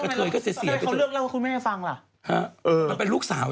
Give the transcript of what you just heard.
กระเทยเก่งกว่าเออแสดงความเป็นเจ้าข้าว